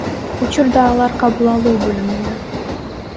Учурда алар кабыл алуу бөлүмүндө.